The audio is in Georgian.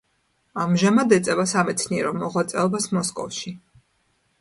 ამჟამად ეწევა სამეცნიერო მოღვაწეობას მოსკოვში.